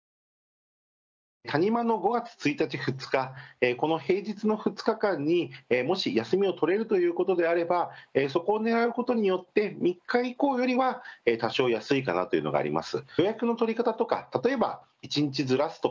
谷間の５月１日、２日、この平日２日間に休みを取れるということであればそこをねらうことによって３日以降よりは多少安いかなというのがあります。